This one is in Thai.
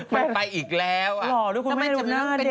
มันไปอีกแล้วอ่ะหรอลูกคุณแม่ดูหน้าเด็ก